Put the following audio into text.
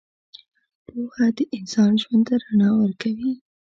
پوهه د انسان ژوند ته رڼا ورکوي.